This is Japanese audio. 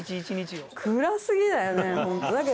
暗すぎだよね本当。